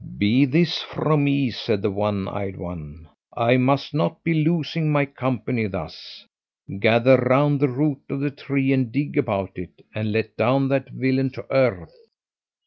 'Be this from me!' said the one eyed one 'I must not be losing my company thus; gather round the root of the tree and dig about it, and let down that villain to earth.'